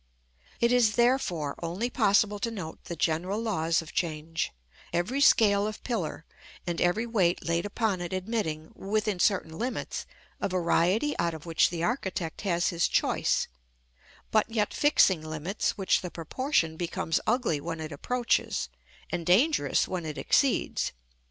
It is, therefore, only possible to note the general laws of change; every scale of pillar, and every weight laid upon it admitting, within certain limits, a variety out of which the architect has his choice; but yet fixing limits which the proportion becomes ugly when it approaches, and dangerous when it exceeds.